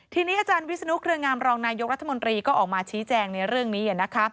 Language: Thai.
ทีนี้อาจารย์วิศนุเครืองามรองนายกรัฐมนตรีก็ออกมาชี้แจงในเรื่องนี้